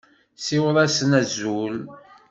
Siweḍ-asent azul-iw.